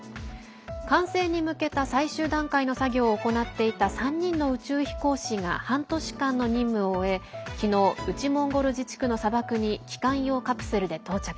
完成に向けた最終段階の作業を行っていた３人の宇宙飛行士が半年間の任務を終え昨日、内モンゴル自治区の砂漠に帰還用カプセルで到着。